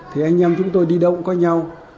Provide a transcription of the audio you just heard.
thì anh em chúng tôi đi đâu cũng có nhau